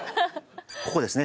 ここですね。